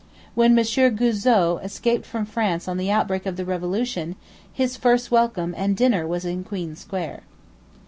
When M. Guizot escaped from France on the outbreak of the Revolution, his first welcome and dinner was in Queen Square.